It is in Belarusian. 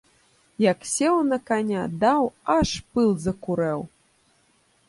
Як сеў на каня, даў, аж пыл закурэў!